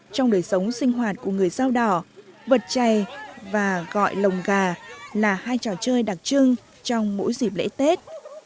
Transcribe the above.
trong đời sống sinh hoạt của người dao đỏ vật chay và gọi lồng gà là hai trò chơi đặc trưng trong mỗi dịp lễ tết